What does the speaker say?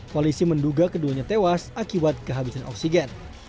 polisi menduga keduanya tewas akibat kehabisan oksigen